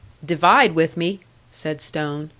"Divide with me?" said Stone.